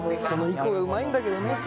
その以降がうまいんだけどね。